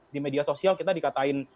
di media sosial kita dikatakan